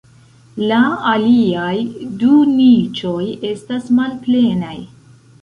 La aliaj du niĉoj estas malplenaj.